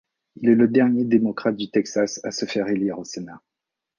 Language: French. Il est le dernier démocrate du Texas à se faire élire au Sénat.